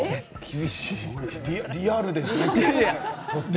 リアルですね。